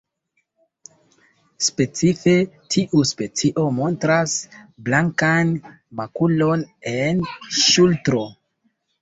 Specife tiu specio montras blankan makulon en ŝultro.